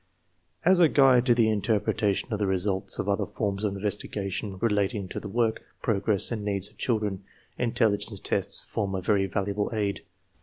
As a guide to the interpretation of the results of other forms of investigation relating to the work, progress, and needs of children, intelligence tests form a very valuable aid.